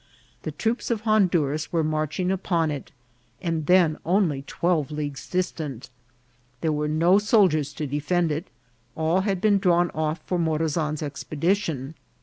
The troops of Honduras were marching upon it, and then only twelve leagues distant. There were no soldiers to defend it ; all had been drawn off for Morazan's expe dition.